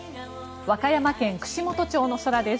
和歌山県串本町の空です。